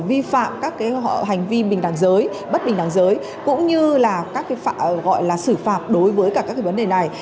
vì phạm các hành vi bình đảng giới bất bình đảng giới cũng như là các sự phạm đối với các vấn đề này